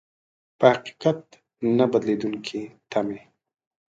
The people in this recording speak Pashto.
په حقيقت نه بدلېدونکې تمې.